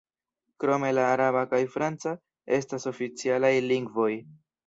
Krome la araba kaj franca estas oficialaj lingvoj.